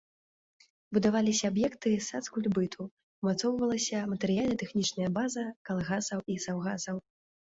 Будаваліся аб'екты сацкультбыту, умацоўвалася матэрыяльна-тэхнічная база калгасаў і саўгасаў.